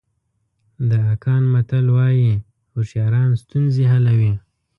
د اکان متل وایي هوښیاران ستونزې حلوي.